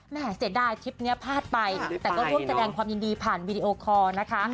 แม่เสด้าคลิปนี้พลาดไปแต่ก็รูปแสดงความยินดีผ่านวีดีโอคอล์นะคะ